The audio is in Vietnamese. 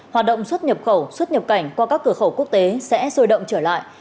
hoạt động xuất nhập khẩu xuất nhập cảnh qua các cửa khẩu quốc tế sẽ sôi động trở lại